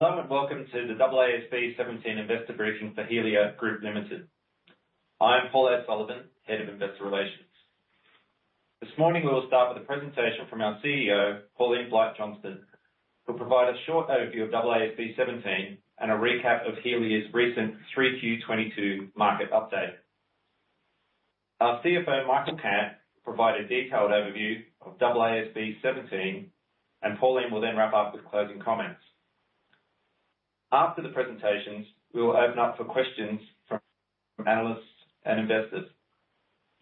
Hello, and welcome to the AASB 17 investor briefing for Helia Group Limited. I'm Paul O'Sullivan, Head of Investor Relations. This morning we will start with a presentation from our CEO, Pauline Blight-Johnston, who'll provide a short overview of AASB 17 and a recap of Helia's recent 3Q 2022 market update. Our CFO, Michael Cant, will provide a detailed overview of AASB 17, and Pauline will then wrap up with closing comments. After the presentations, we will open up for questions from analysts and investors.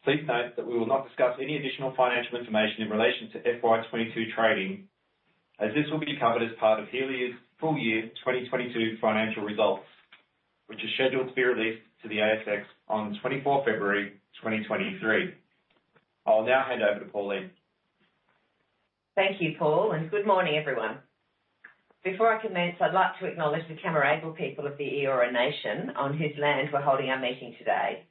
Please note that we will not discuss any additional financial information in relation to FY22 trading, as this will be covered as part of Helia's full year 2022 financial results, which is scheduled to be released to the ASX on 24 February 2023. I'll now hand over to Pauline. Thank you, Paul, and good morning, everyone. Before I commence, I'd like to acknowledge the Cammeraygal people of the Eora nation on whose land we're holding our meeting today.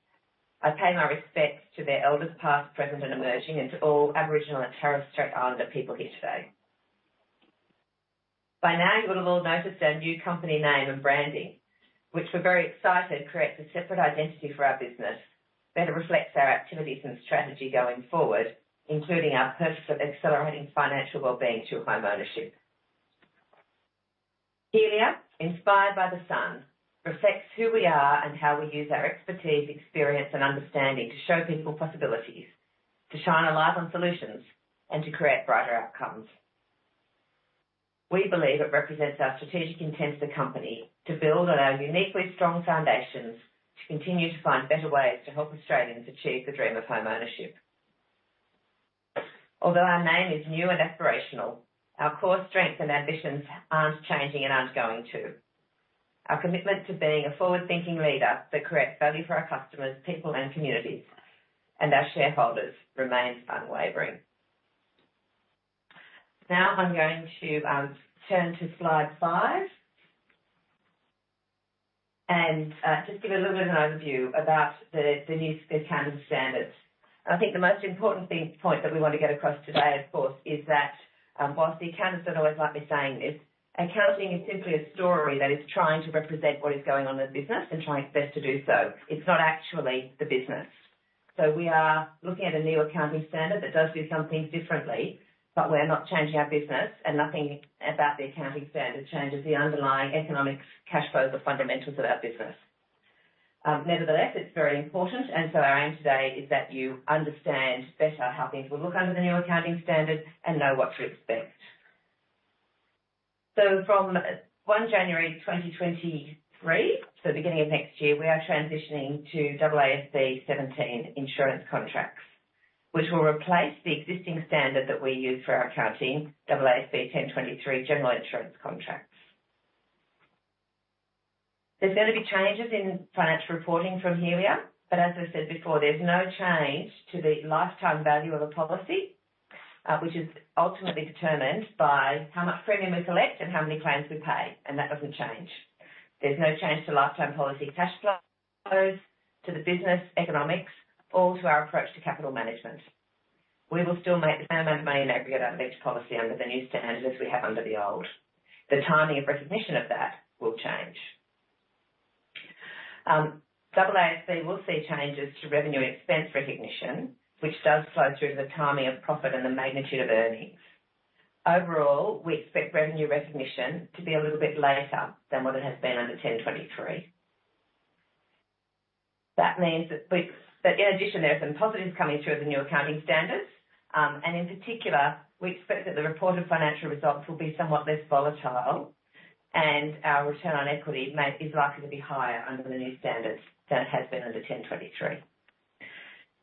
I pay my respects to their elders, past, present, and emerging, and to all Aboriginal and Torres Strait Islander people here today. By now, you will have all noticed our new company name and branding, which we're very excited creates a separate identity for our business, better reflects our activities and strategy going forward, including our purpose of accelerating financial well-being through home ownership. Helia, inspired by the sun, reflects who we are and how we use our expertise, experience, and understanding to show people possibilities, to shine a light on solutions, and to create brighter outcomes. We believe it represents our strategic intent as a company to build on our uniquely strong foundations, to continue to find better ways to help Australians achieve the dream of home ownership. Although our name is new and aspirational, our core strengths and ambitions aren't changing and aren't going to. Our commitment to being a forward-thinking leader that creates value for our customers, people and communities, and our shareholders remains unwavering. I'm going to turn to slide five and just give a little bit of an overview about the new accounting standards. I think the most important point that we want to get across today, of course, is that, whilst the accountants don't always like me saying this, accounting is simply a story that is trying to represent what is going on in the business and trying its best to do so. It's not actually the business. We are looking at a new accounting standard that does do some things differently, but we're not changing our business, and nothing about the accounting standard changes the underlying economics, cash flows or fundamentals of our business. Nevertheless, it's very important, our aim today is that you understand better how things will look under the new accounting standard and know what to expect. From 1 January 2023, beginning of next year, we are transitioning to AASB 17 insurance contracts, which will replace the existing standard that we use for our accounting, AASB 1023 general insurance contracts. There's gonna be changes in financial reporting from Helia, but as I said before, there's no change to the lifetime value of a policy, which is ultimately determined by how much premium we collect and how many claims we pay, and that doesn't change. There's no change to lifetime policy cash flows, to the business economics or to our approach to capital management. We will still make the same amount of main aggregate under each policy under the new standard as we have under the old. The timing and recognition of that will change. AASB will see changes to revenue expense recognition, which does flow through to the timing of profit and the magnitude of earnings. Overall, we expect revenue recognition to be a little bit later than what it has been under AASB 1023. That means that but in addition, there are some positives coming through the new accounting standards. And in particular, we expect that the reported financial results will be somewhat less volatile and our return on equity is likely to be higher under the new standards than it has been under 1023.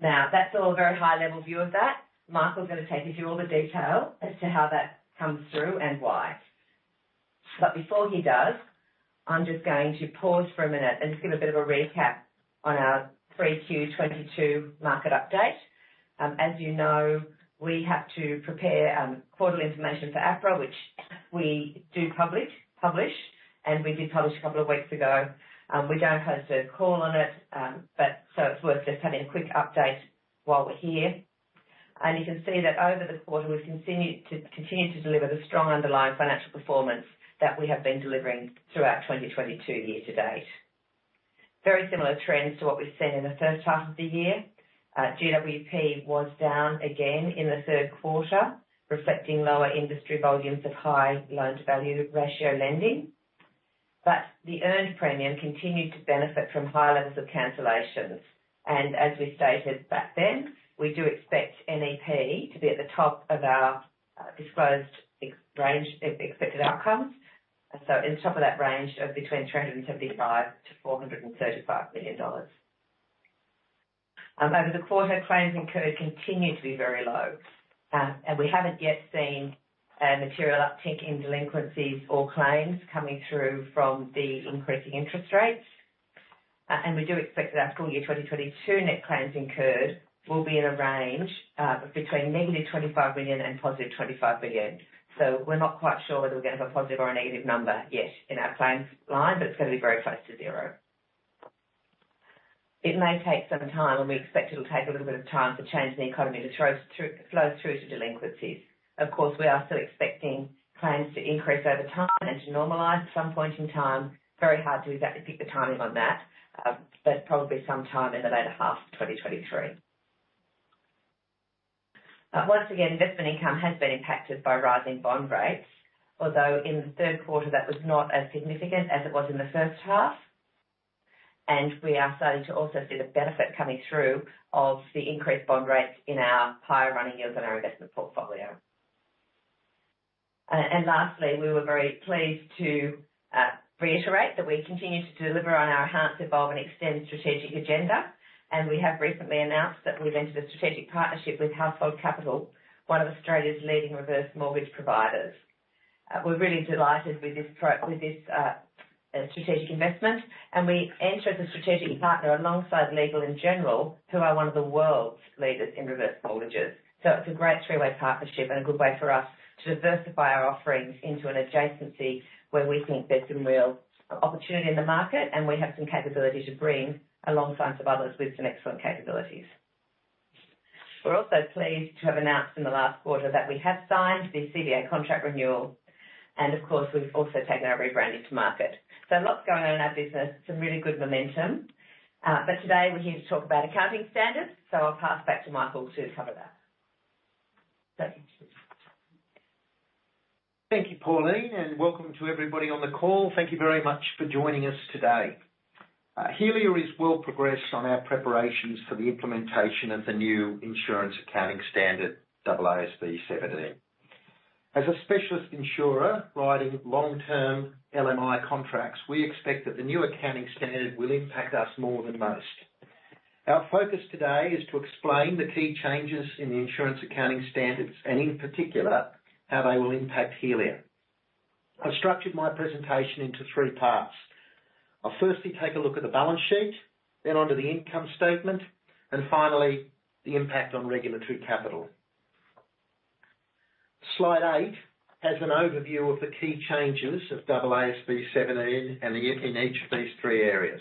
That's all a very high-level view of that. Michael's gonna take you through all the detail as to how that comes through and why. Before he does, I'm just going to pause for a minute and just give a bit of a recap on our 3Q 2022 market update. As you know, we have to prepare quarterly information for APRA, which we do publish, and we did publish a couple of weeks ago. We don't host a call on it's worth just having a quick update while we're here. You can see that over the quarter, we've continued to deliver the strong underlying financial performance that we have been delivering throughout 2022 year-to-date. Very similar trends to what we've seen in the first half of the year. GWP was down again in the third quarter, reflecting lower industry volumes of high loan-to-value ratio lending. The earned premium continued to benefit from high levels of cancellations. As we stated back then, we do expect NEP to be at the top of our disclosed ex range, expected outcomes. In the top of that range of between 375 million-435 million dollars. Over the quarter, claims incurred continue to be very low, we haven't yet seen a material uptick in delinquencies or claims coming through from the increasing interest rates. We do expect that our full year 2022 net claims incurred will be in a range of between -25 million and +25 million. We're not quite sure whether we're gonna have a positive or a negative number yet in our claims line, but it's gonna be very close to 0. It may take some time, and we expect it'll take a little bit of time for changes in the economy to flow through to delinquencies. Of course, we are still expecting claims to increase over time and to normalize at some point in time. Very hard to exactly pick the timing on that, but probably some time in the later half of 2023. Once again, investment income has been impacted by rising bond rates. Although in the third quarter that was not as significant as it was in the first half. We are starting to also see the benefit coming through of the increased bond rates in our higher running yields on our investment portfolio. Lastly, we were very pleased to reiterate that we continue to deliver on our enhance, evolve, and extend strategic agenda. We have recently announced that we've entered a strategic partnership with Household Capital, one of Australia's leading reverse mortgage providers. We're really delighted with this strategic investment. We enter as a strategic partner alongside Legal & General, who are one of the world's leaders in reverse mortgages. It's a great three-way partnership and a good way for us to diversify our offerings into an adjacency where we think there's some real opportunity in the market, and we have some capability to bring alongside some others with some excellent capabilities. We're also pleased to have announced in the last quarter that we have signed the CBA contract renewal. Of course we've also taken our rebranding to market. Lots going on in our business, some really good momentum. Today we're here to talk about accounting standards. I'll pass back to Michael to cover that. Thank you, Pauline, welcome to everybody on the call. Thank you very much for joining us today. Helia is well progressed on our preparations for the implementation of the new insurance accounting standard, AASB 17. As a specialist insurer writing long-term LMI contracts, we expect that the new accounting standard will impact us more than most. Our focus today is to explain the key changes in the insurance accounting standards and in particular how they will impact Helia. I've structured my presentation into three parts. I'll firstly take a look at the balance sheet, then onto the income statement, and finally the impact on regulatory capital. Slide eight has an overview of the key changes of AASB 17 and the in each of these three areas.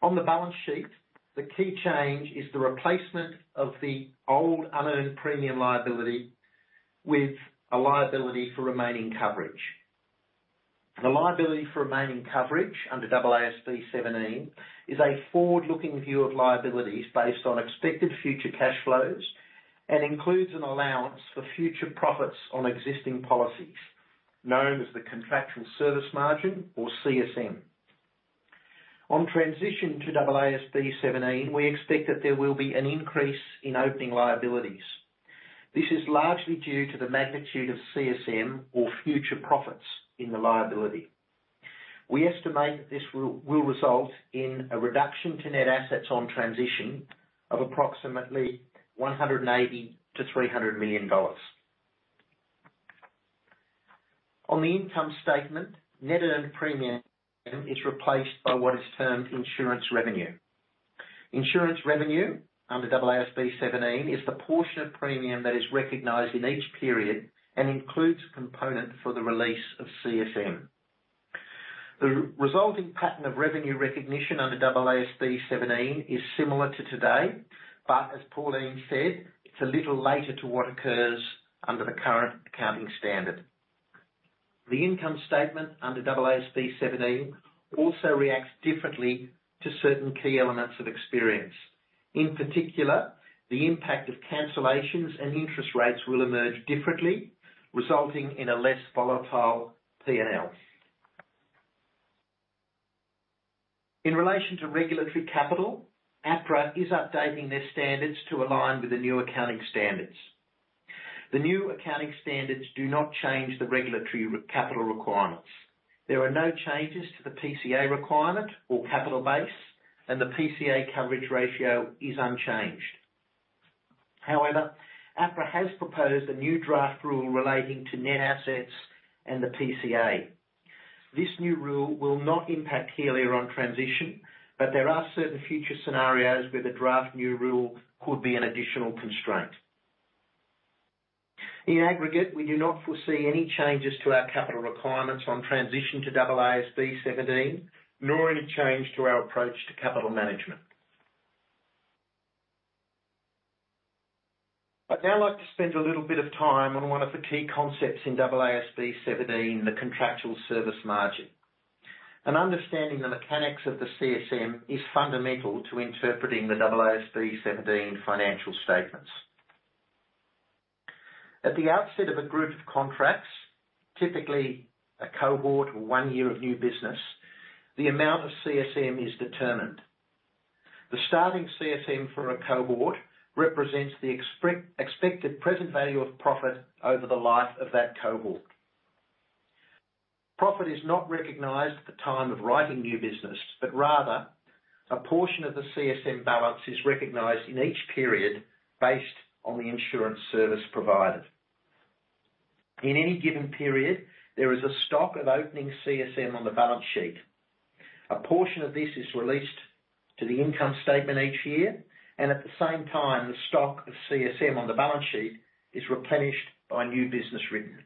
On the balance sheet, the key change is the replacement of the old Unearned Premium Liability with a Liability for Remaining Coverage. The Liability for Remaining Coverage under AASB 17 is a forward-looking view of liabilities based on expected future cash flows and includes an allowance for future profits on existing policies, known as the Contractual Service Margin or CSM. On transition to AASB 17, we expect that there will be an increase in opening liabilities. This is largely due to the magnitude of CSM or future profits in the liability. We estimate that this will result in a reduction to net assets on transition of approximately AUD 180 million-AUD 300 million. On the income statement, Net Earned Premium is replaced by what is termed Insurance Revenue. Insurance Revenue under AASB 17 is the portion of premium that is recognized in each period and includes a component for the release of CSM. The resulting pattern of revenue recognition under AASB 17 is similar to today, but as Pauline said, it's a little later to what occurs under the current accounting standard. The income statement under AASB 17 also reacts differently to certain key elements of experience. In particular, the impact of cancellations and interest rates will emerge differently, resulting in a less volatile P&L. In relation to regulatory capital, APRA is updating their standards to align with the new accounting standards. The new accounting standards do not change the regulatory capital requirements. There are no changes to the PCA requirement or capital base, and the PCA coverage ratio is unchanged. APRA has proposed a new draft rule relating to net assets and the PCA. This new rule will not impact Helia on transition, but there are certain future scenarios where the draft new rule could be an additional constraint. In aggregate, we do not foresee any changes to our capital requirements on transition to AASB 17, nor any change to our approach to capital management. I'd now like to spend a little bit of time on one of the key concepts in AASB 17, the Contractual Service Margin. Understanding the mechanics of the CSM is fundamental to interpreting the AASB 17 financial statements. At the outset of a group of contracts, typically a cohort or one year of new business, the amount of CSM is determined. The starting CSM for a cohort represents the expected present value of profit over the life of that cohort. Profit is not recognized at the time of writing new business. Rather a portion of the CSM balance is recognized in each period based on the insurance service provided. In any given period, there is a stock of opening CSM on the balance sheet. A portion of this is released to the income statement each year, and at the same time the stock of CSM on the balance sheet is replenished by new business written.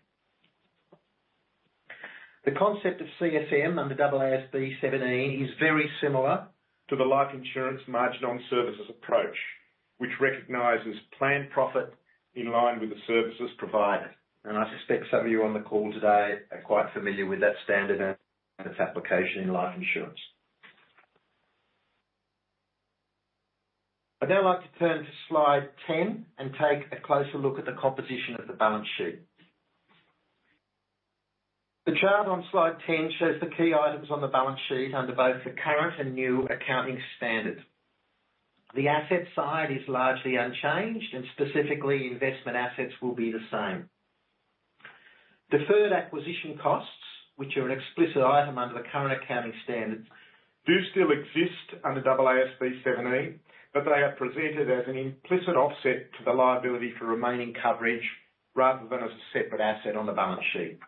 The concept of CSM under AASB 17 is very similar to the life insurance margin on services approach, which recognizes planned profit in line with the services provided. I suspect some of you on the call today are quite familiar with that standard and its application in life insurance. I'd now like to turn to slide 10 and take a closer look at the composition of the balance sheet. The chart on slide 10 shows the key items on the balance sheet under both the current and new accounting standard. The asset side is largely unchanged and specifically investment assets will be the same. Deferred acquisition costs, which are an explicit item under the current accounting standards, do still exist under AASB 17, but they are presented as an implicit offset to the liability for remaining coverage rather than as a separate asset on the balance sheet.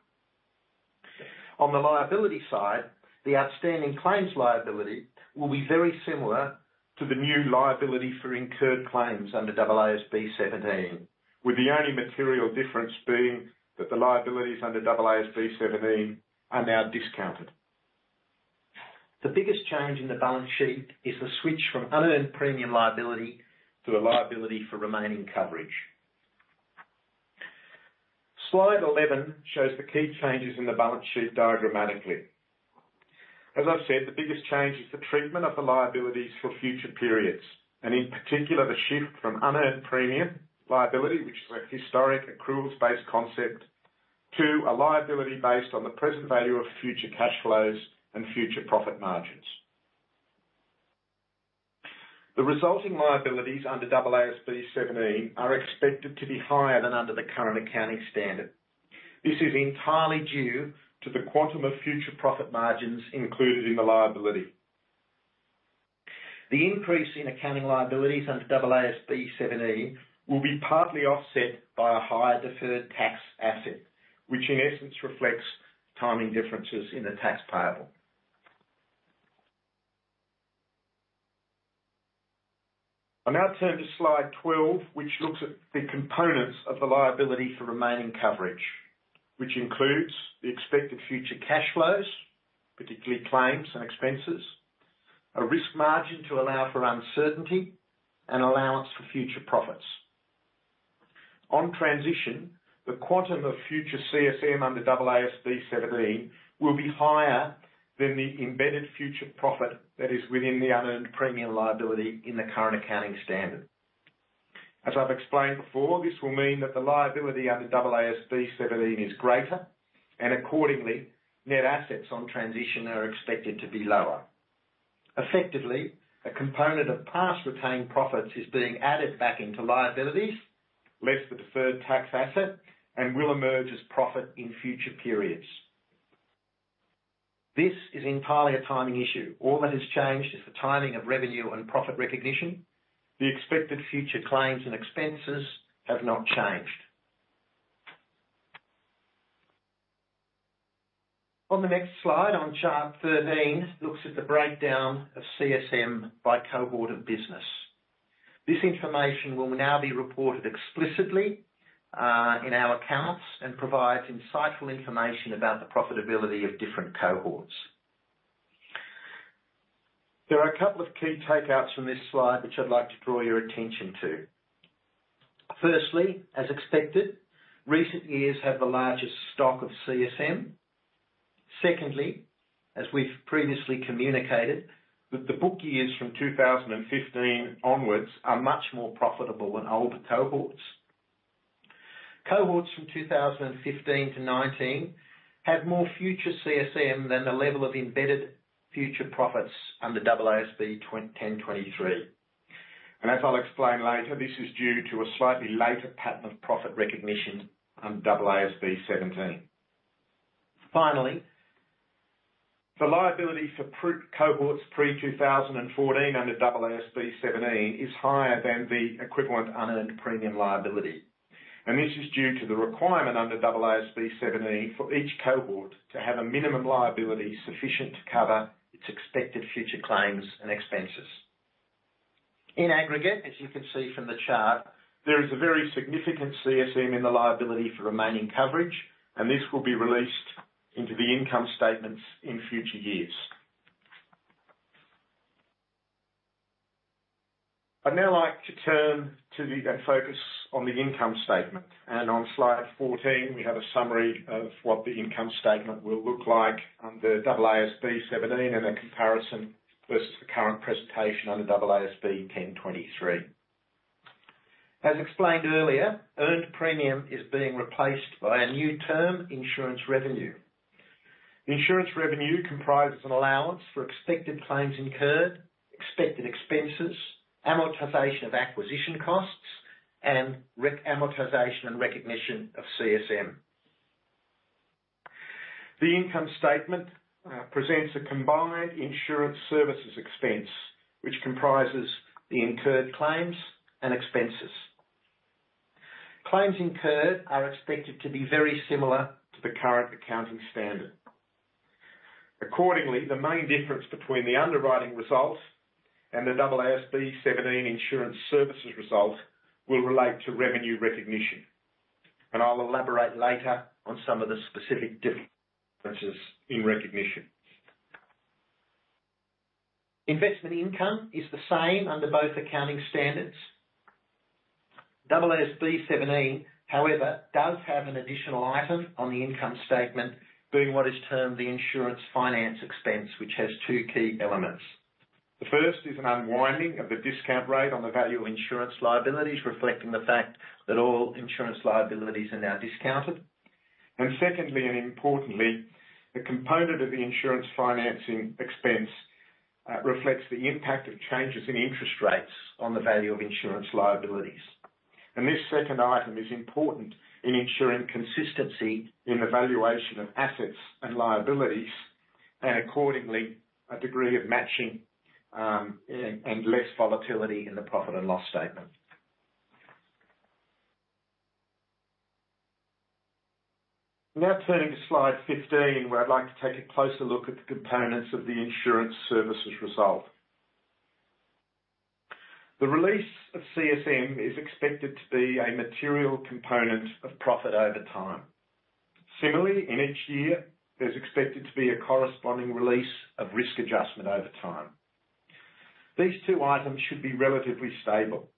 On the liability side, the outstanding claims liability will be very similar to the new liability for incurred claims under AASB 17, with the only material difference being that the liabilities under AASB 17 are now discounted. The biggest change in the balance sheet is the switch from unearned premium liability to a liability for remaining coverage. Slide 11 shows the key changes in the balance sheet diagrammatically. As I've said, the biggest change is the treatment of the liabilities for future periods, and in particular, the shift from Unearned Premium Liability, which is a historic accruals-based concept, to a liability based on the present value of future cash flows and future profit margins. The resulting liabilities under AASB 17 are expected to be higher than under the current accounting standard. This is entirely due to the quantum of future profit margins included in the liability. The increase in accounting liabilities under AASB 17 will be partly offset by a higher deferred tax asset, which in essence reflects timing differences in the tax payable. I now turn to slide 12, which looks at the components of the Liability for Remaining Coverage, which includes the expected future cash flows, particularly claims and expenses, a risk margin to allow for uncertainty and allowance for future profits. On transition, the quantum of future CSM under AASB 17 will be higher than the embedded future profit that is within the Unearned Premium Liability in the current accounting standard. As I've explained before, this will mean that the liability under AASB 17 is greater and accordingly, net assets on transition are expected to be lower. Effectively, a component of past retained profits is being added back into liabilities less the deferred tax asset and will emerge as profit in future periods. This is entirely a timing issue. All that has changed is the timing of revenue and profit recognition. The expected future claims and expenses have not changed. On the next slide on chart 13, looks at the breakdown of CSM by cohort of business. This information will now be reported explicitly in our accounts and provides insightful information about the profitability of different cohorts. There are a couple of key takeouts from this slide, which I'd like to draw your attention to. Firstly, as expected, recent years have the largest stock of CSM. Secondly, as we've previously communicated, that the book years from 2015 onwards are much more profitable than older cohorts. Cohorts from 2015-2019 have more future CSM than the level of embedded future profits under AASB 1023. As I'll explain later, this is due to a slightly later pattern of profit recognition under AASB 17. Finally, the liability for cohorts pre 2014 under AASB 17 is higher than the equivalent Unearned Premium Liability. This is due to the requirement under AASB 17 for each cohort to have a minimum liability sufficient to cover its expected future claims and expenses. In aggregate, as you can see from the chart, there is a very significant CSM in the Liability for Remaining Coverage, and this will be released into the income statements in future years. I'd now like to turn to the focus on the income statement. On slide 14, we have a summary of what the income statement will look like under AASB 17 and a comparison versus the current presentation under AASB 1023. As explained earlier, earned premium is being replaced by a new term, Insurance Revenue. The Insurance Revenue comprises an allowance for expected claims incurred, expected expenses, amortization of acquisition costs, and amortization and recognition of CSM. The income statement presents a combined Insurance Service Expenses, which comprises the incurred claims and expenses. Claims incurred are expected to be very similar to the current accounting standard. The main difference between the underwriting results and the AASB 17 insurance service result will relate to revenue recognition, and I'll elaborate later on some of the specific differences in recognition. Investment income is the same under both accounting standards. AASB 17, however, does have an additional item on the income statement, being what is termed the insurance finance expense, which has two key elements. The first is an unwinding of the discount rate on the value of insurance liabilities, reflecting the fact that all insurance liabilities are now discounted. Secondly, and importantly, the component of the insurance finance expense reflects the impact of changes in interest rates on the value of insurance liabilities. This second item is important in ensuring consistency in the valuation of assets and liabilities, accordingly, a degree of matching, and less volatility in the profit and loss statement. Now turning to slide 15, where I'd like to take a closer look at the components of the insurance service result. The release of CSM is expected to be a material component of profit over time. Similarly, in each year, there's expected to be a corresponding release of risk adjustment over time. These two items should be relatively stable.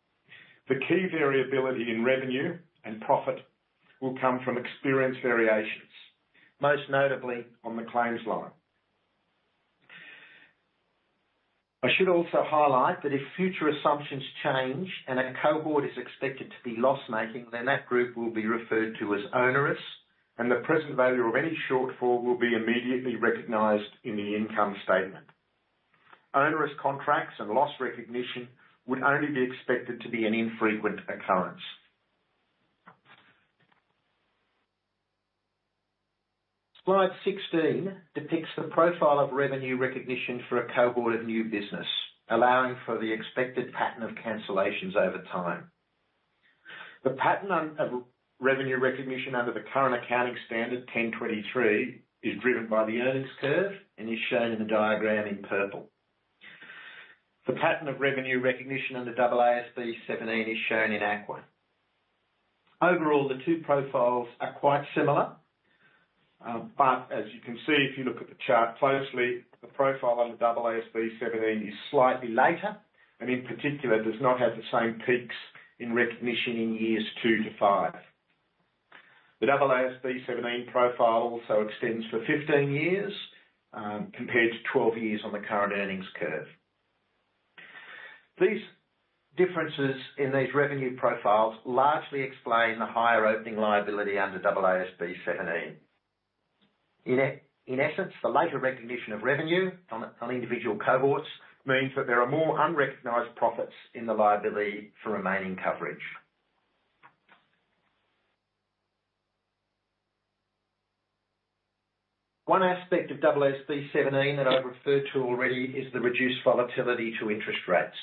The key variability in revenue and profit will come from experience variations, most notably on the claims line. I should also highlight that if future assumptions change and a cohort is expected to be loss-making, then that group will be referred to as onerous, and the present value of any shortfall will be immediately recognized in the income statement. Onerous contracts and loss recognition would only be expected to be an infrequent occurrence. Slide 16 depicts the profile of revenue recognition for a cohort of new business, allowing for the expected pattern of cancellations over time. Of revenue recognition under the current accounting standard AASB 1023 is driven by the earnings curve and is shown in the diagram in purple. The pattern of revenue recognition under AASB 17 is shown in aqua. Overall, the two profiles are quite similar, as you can see, if you look at the chart closely, the profile under AASB 17 is slightly later, and in particular, does not have the same peaks in recognition in years 2-5. The AASB 17 profile also extends for 15 years, compared to 12 years on the current earnings curve. These differences in these revenue profiles largely explain the higher opening liability under AASB 17. In essence, the later recognition of revenue on individual cohorts means that there are more unrecognized profits in the liability for remaining coverage. One aspect of AASB 17 that I've referred to already is the reduced volatility to interest rates.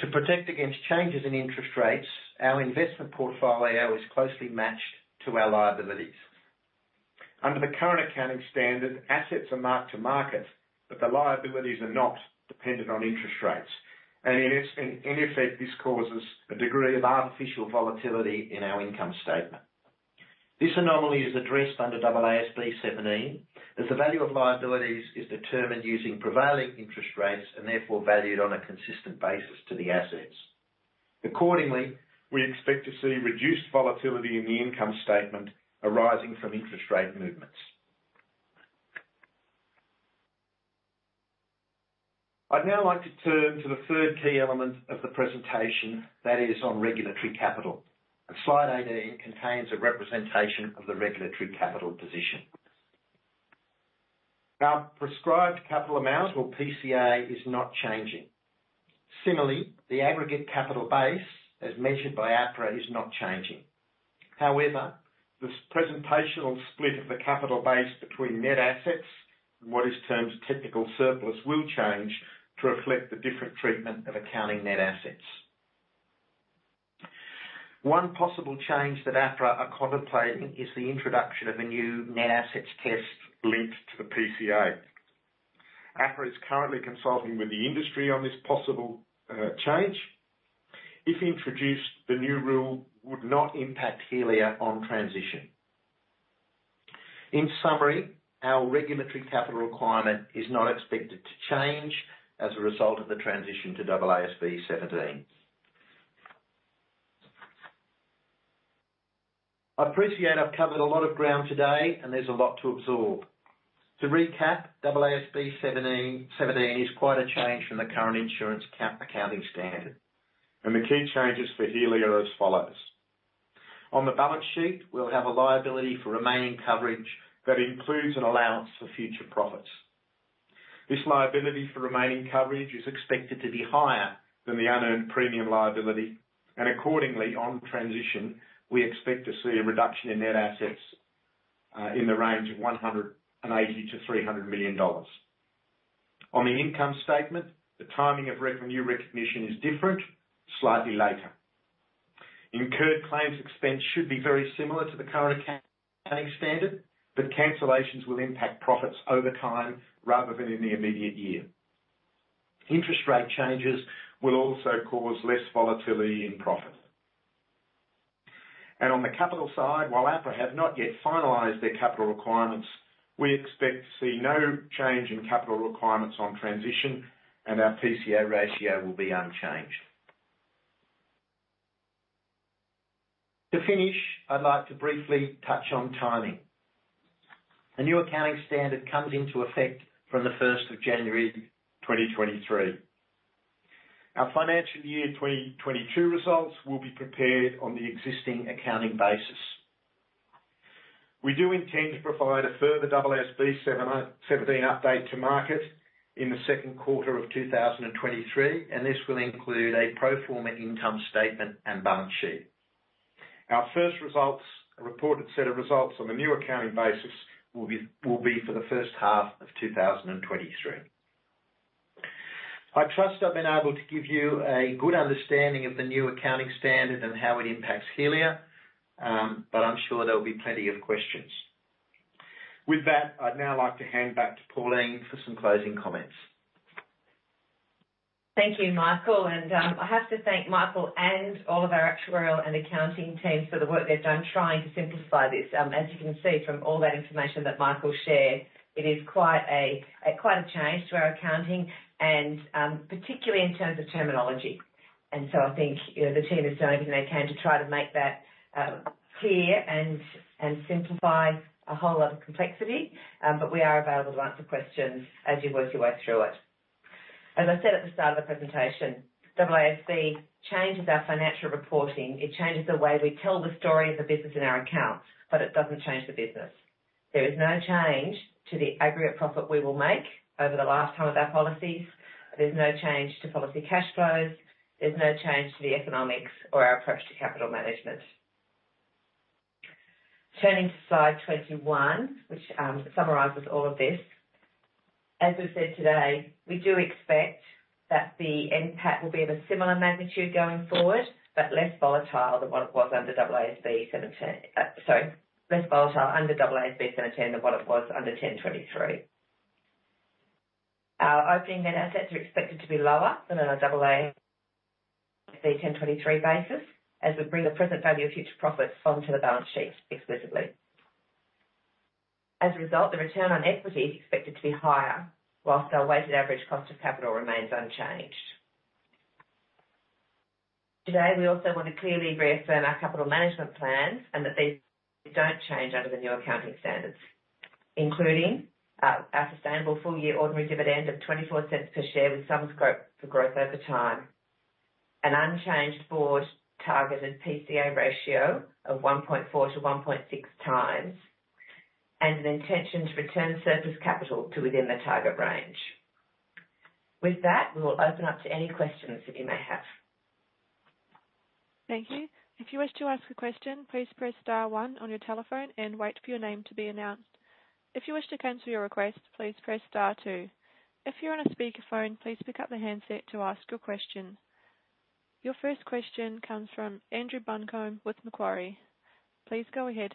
To protect against changes in interest rates, our investment portfolio is closely matched to our liabilities. Under the current accounting standard, assets are marked to market, but the liabilities are not dependent on interest rates. In effect, this causes a degree of artificial volatility in our income statement. This anomaly is addressed under AASB 17, as the value of liabilities is determined using prevailing interest rates and therefore valued on a consistent basis to the assets. Accordingly, we expect to see reduced volatility in the income statement arising from interest rate movements. I'd now like to turn to the third key element of the presentation that is on regulatory capital, and slide 18 contains a representation of the regulatory capital position. Our Prescribed Capital Amount or PCA is not changing. Similarly, the aggregate capital base, as measured by APRA, is not changing. However, this presentational split of the capital base between net assets and what is termed technical surplus will change to reflect the different treatment of accounting net assets. One possible change that APRA are contemplating is the introduction of a new net assets test linked to the PCA. APRA is currently consulting with the industry on this possible change. If introduced, the new rule would not impact Helia on transition. Our regulatory capital requirement is not expected to change as a result of the transition to AASB 17. I appreciate I've covered a lot of ground today, and there's a lot to absorb. AASB 17 is quite a change from the current insurance cap accounting standard, and the key changes for Helia are as follows. On the balance sheet, we'll have a Liability for Remaining Coverage that includes an allowance for future profits. This Liability for Remaining Coverage is expected to be higher than the Unearned Premium Liability, and accordingly, on transition, we expect to see a reduction in net assets, in the range of 180 million-300 million dollars. On the income statement, the timing of revenue recognition is different, slightly later. Incurred claims expense should be very similar to the current accounting standard, cancellations will impact profits over time rather than in the immediate year. Interest rate changes will also cause less volatility in profit. On the capital side, while APRA have not yet finalized their capital requirements, we expect to see no change in capital requirements on transition and our PCA ratio will be unchanged. To finish, I'd like to briefly touch on timing. The new accounting standard comes into effect from the 1st of January 2023. Our financial year 2022 results will be prepared on the existing accounting basis. We do intend to provide a further AASB 17 update to market in the second quarter of 2023, this will include a pro forma income statement and balance sheet. Our first reported set of results on the new accounting basis will be for the first half of 2023. I trust I've been able to give you a good understanding of the new accounting standard and how it impacts Helia, I'm sure there'll be plenty of questions. With that, I'd now like to hand back to Pauline for some closing comments. Thank you, Michael, and I have to thank Michael and all of our actuarial and accounting teams for the work they've done trying to simplify this. As you can see from all that information that Michael shared, it is quite a, quite a change to our accounting and particularly in terms of terminology. I think, you know, the team has done everything they can to try to make that clear and simplify a whole lot of complexity. But we are available to answer questions as you work your way through it. As I said at the start of the presentation, AASB changes our financial reporting. It changes the way we tell the story of the business in our accounts, but it doesn't change the business. There is no change to the aggregate profit we will make over the lifetime of our policies. There's no change to policy cash flows. There's no change to the economics or our approach to capital management. Turning to slide 21, which summarizes all of this. We've said today, we do expect that the NPAT will be of a similar magnitude going forward, but less volatile than what it was under AASB 17. Sorry, less volatile under AASB 17 than what it was under AASB 1023. Our opening net assets are expected to be lower than on AASB 1023 basis as we bring the present value of future profits onto the balance sheet explicitly. A result, the return on equity is expected to be higher, whilst our weighted average cost of capital remains unchanged. Today, we also want to clearly reaffirm our capital management plans and that these don't change under the new accounting standards, including our sustainable full-year ordinary dividend of 0.24 per share, with some scope for growth over time, an unchanged board targeted PCA ratio of 1.4-1.6x, and an intention to return surplus capital to within the target range. With that, we will open up to any questions that you may have. Thank you. If you wish to ask a question, please press star one on your telephone and wait for your name to be announced. If you wish to cancel your request, please press star two. If you're on a speakerphone, please pick up the handset to ask your question. Your first question comes from Andrew Buncombe with Macquarie. Please go ahead.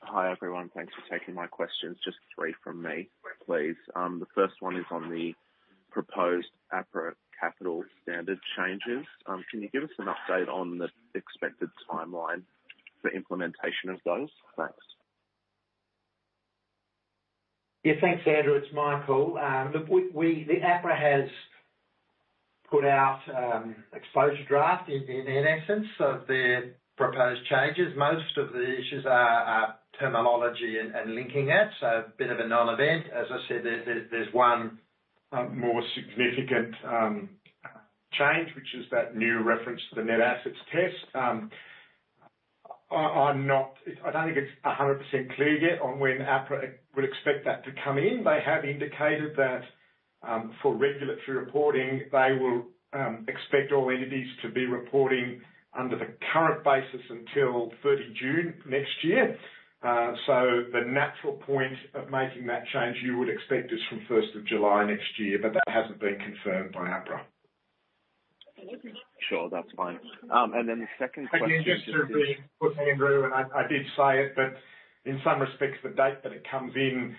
Hi, everyone. Thanks for taking my questions. Just three from me, please. The 1st one is on the proposed APRA capital standard changes. Can you give us an update on the expected timeline for implementation of those? Thanks. Thanks, Andrew Buncombe. It's Michael Cant. Look, the APRA has put out exposure draft in their essence of their proposed changes. Most of the issues are terminology and linking that, so a bit of a non-event. As I said, there's one more significant change, which is that new reference to the net assets test. I don't think it's 100% clear yet on when APRA would expect that to come in. They have indicated that for regulatory reporting, they will expect all entities to be reporting under the current basis until June 30 next year. The natural point of making that change, you would expect, is from July 1 next year. That hasn't been confirmed by APRA. Sure. That's fine. The second question- Just to repeat, look, Andrew, and I did say it, but in some respects the date that it comes in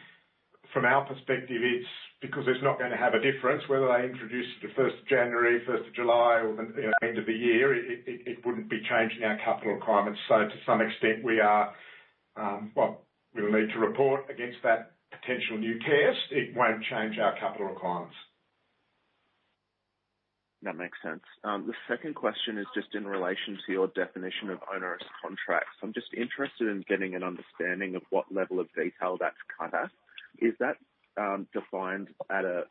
from our perspective, it's because it's not gonna have a difference whether they introduce it to first of January, first of July, or the, you know, end of the year, it wouldn't be changing our capital requirements. To some extent, we are. Well, we'll need to report against that potential new case. It won't change our capital requirements. That makes sense. The second question is just in relation to your definition of onerous contracts. I'm just interested in getting an understanding of what level of detail that's cut at. Is that defined at a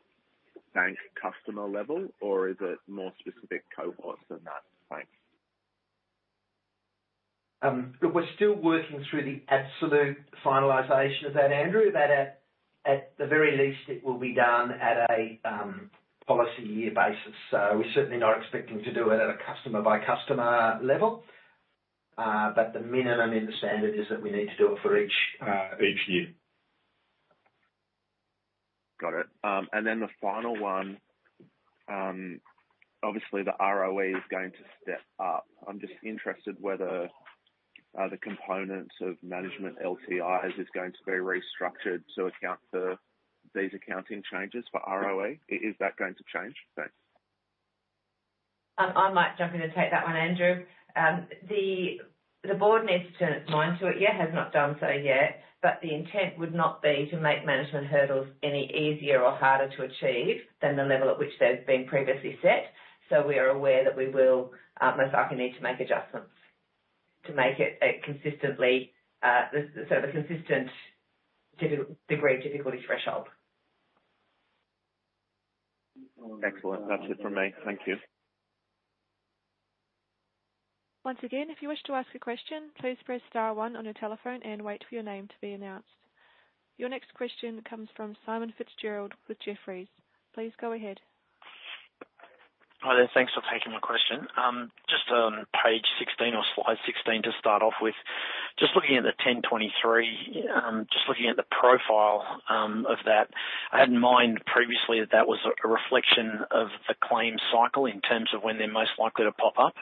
bank customer level, or is it more specific cohorts than that? Thanks. Look, we're still working through the absolute finalization of that, Andrew, but at the very least, it will be done at a policy year basis. We're certainly not expecting to do it at a customer-by-customer level, but the minimum in the standard is that we need to do it for each year. Got it. The final one, obviously the ROE is going to step up. I'm just interested whether the components of management LTIs is going to be restructured to account for these accounting changes for ROE. Is that going to change? Thanks. I might jump in to take that one, Andrew. The board needs to turn its mind to it, has not done so yet, but the intent would not be to make management hurdles any easier or harder to achieve than the level at which they've been previously set. We are aware that we will most likely need to make adjustments to make it a consistently, so the consistent degree of difficulty threshold. Excellent. That's it from me. Thank you. Once again, if you wish to ask a question, please press star one on your telephone and wait for your name to be announced. Your next question comes from Simon Fitzgerald with Jefferies. Please go ahead. Hi there. Thanks for taking my question. Just on page 16 or slide 16 to start off with, just looking at the AASB 1023, just looking at the profile of that, I had in mind previously that that was a reflection of the claim cycle in terms of when they're most likely to pop up.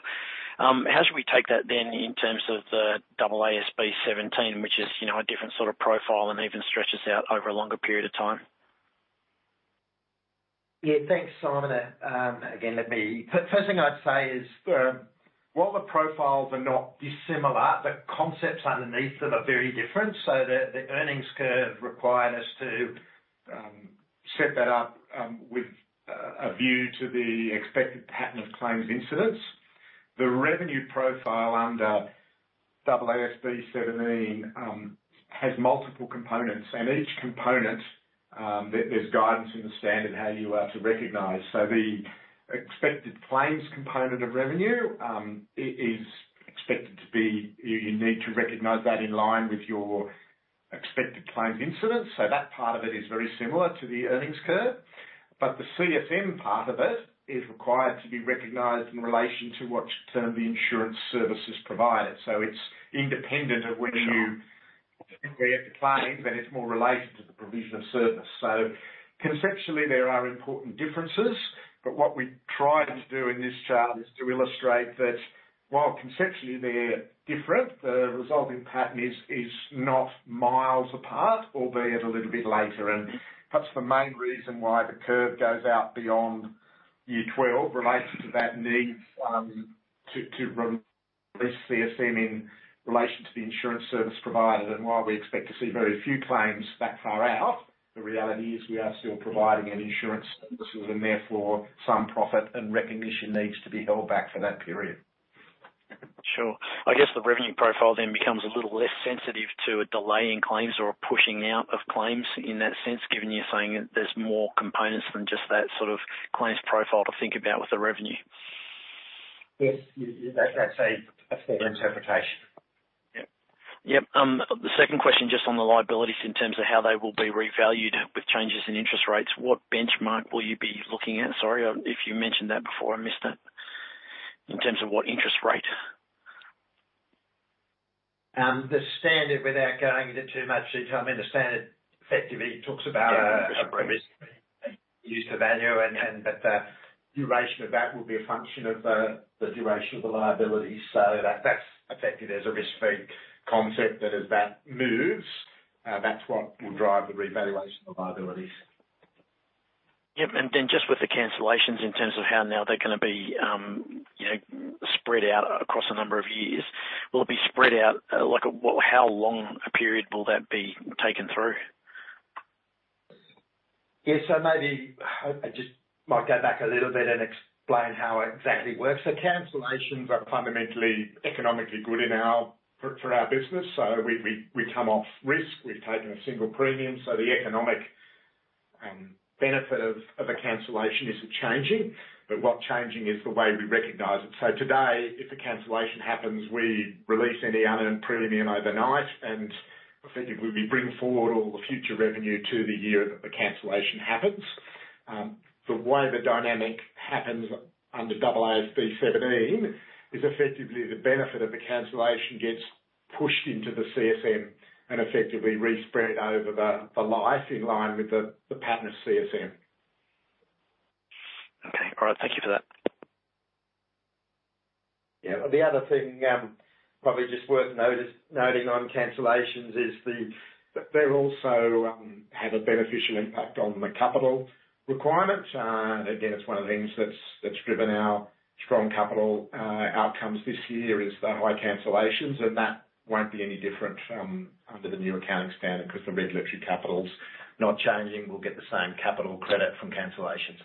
How should we take that then in terms of the AASB 17, which is, you know, a different sort of profile and even stretches out over a longer period of time? Thanks, Simon. Again, let me first thing I'd say is the... While the profiles are not dissimilar, the concepts underneath them are very different. The earnings curve required us to set that up with a view to the expected pattern of claims incidents. The revenue profile under AASB 17 has multiple components, and each component, there's guidance in the standard how you are to recognize. The expected claims component of revenue is expected to be... You need to recognize that in line with your expected claims incidents. That part of it is very similar to the earnings curve. The CSM part of it is required to be recognized in relation to what term the insurance service has provided. It's independent of when. Sure. -expect a claim, but it's more related to the provision of service. Conceptually, there are important differences, but what we tried to do in this chart is to illustrate that while conceptually they're different, the resulting pattern is not miles apart, albeit a little bit later. That's the main reason why the curve goes out beyond year 12 related to that need, to re-release CSM in relation to the insurance service provided. While we expect to see very few claims that far out, the reality is we are still providing an insurance service, and therefore some profit and recognition needs to be held back for that period. Sure. I guess the revenue profile then becomes a little less sensitive to a delay in claims or a pushing out of claims in that sense, given you're saying there's more components than just that sort of claims profile to think about with the revenue. Yes. That's a, that's an interpretation. Yep. Yep. The second question just on the liabilities in terms of how they will be revalued with changes in interest rates, what benchmark will you be looking at? Sorry if you mentioned that before, I missed it. In terms of what interest rate. The standard without going into too much detail, I mean, the standard effectively talks about. Yeah. a risk use to value and, the duration of that will be a function of the duration of the liability. That's effective. There's a risk-free concept that as that moves, that's what will drive the revaluation of liabilities. Yep. Then just with the cancellations in terms of how now they're gonna be, you know, spread out across a number of years, will it be spread out, like, how long a period will that be taken through? Maybe I just might go back a little bit and explain how it exactly works. The cancellations are fundamentally economically good in our for our business. We come off risk. We've taken a single premium. The economic benefit of a cancellation isn't changing, but what changing is the way we recognize it. Today, if a cancellation happens, we release any earned premium overnight and effectively we bring forward all the future revenue to the year that the cancellation happens. The way the dynamic happens under AASB 17 is effectively the benefit of the cancellation gets pushed into the CSM and effectively re-spread over the life in line with the pattern of CSM. Okay. All right. Thank you for that. Yeah. The other thing, probably just worth notice, noting on cancellations, they're also, have a beneficial impact on the capital requirement. Again, it's one of the things that's driven our strong capital, outcomes this year, is the high cancellations, and that won't be any different under the new accounting standard 'cause the regulatory capital's not changing. We'll get the same capital credit from cancellations.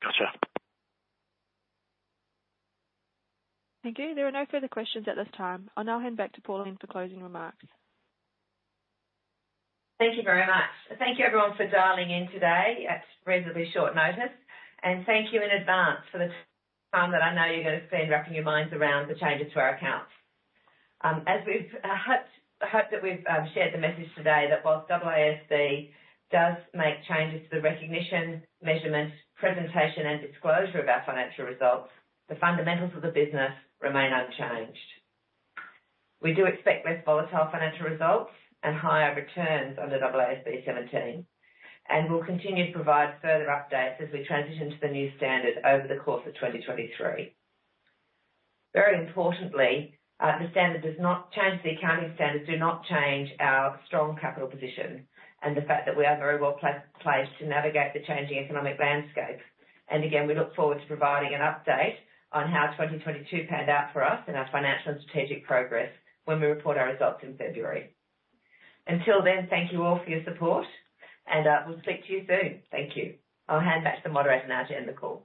Gotcha. Thank you. There are no further questions at this time. I'll now hand back to Pauline for closing remarks. Thank you very much. Thank you everyone for dialing in today at reasonably short notice. Thank you in advance for the time that I know you're gonna spend wrapping your minds around the changes to our accounts. I hope that we've shared the message today that whilst AASB does make changes to the recognition, measurement, presentation, and disclosure of our financial results, the fundamentals of the business remain unchanged. We do expect less volatile financial results and higher returns under AASB 17, we'll continue to provide further updates as we transition to the new standard over the course of 2023. Very importantly, the accounting standards do not change our strong capital position and the fact that we are very well placed to navigate the changing economic landscape. Again, we look forward to providing an update on how 2022 panned out for us and our financial and strategic progress when we report our results in February. Until then, thank you all for your support and we'll speak to you soon. Thank you. I'll hand back to the moderator now to end the call.